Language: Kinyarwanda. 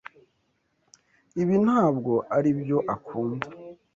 Ibi ntabwo aribyo akunda.